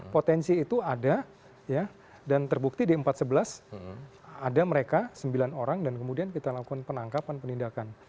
potensi itu ada dan terbukti di empat sebelas ada mereka sembilan orang dan kemudian kita lakukan penangkapan penindakan